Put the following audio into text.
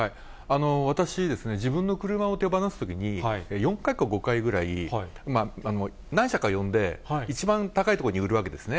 私、自分の車を手放すときに、４回か５回ぐらい、何社か呼んで一番高い所に売るわけですね。